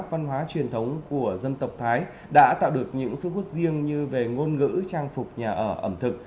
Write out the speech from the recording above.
văn hóa truyền thống của dân tộc thái đã tạo được những sức hút riêng như về ngôn ngữ trang phục nhà ở ẩm thực